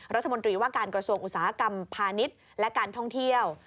รัฐมนตรีว่าการกระทรวงอุตสาหกรรมพาณิชย์และการท่องเที่ยว